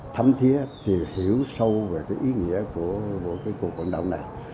thấm thiết thì hiểu sâu về cái ý nghĩa của cuộc hoạt động này